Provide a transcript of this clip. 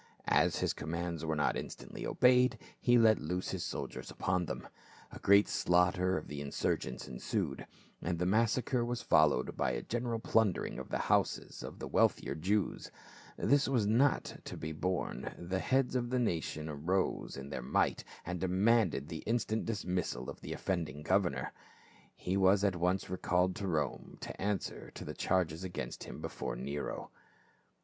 As his commands were not instantly obeyed, he let loose his soldiers upon them. A great slaughter of the insurgents ensued, and the massacre was followed by a general plundering of the houses of the wealthier Jews. This was not to be borne, the heads of the nation arose in their might and demanded the instant dismissal of the offending governor. He was at once recalled to Rome to answer to the charges against him before Nero.